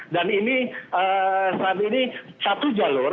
dan ini saat ini satu jalur